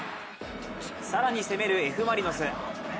更に攻めるＦ・マリノス。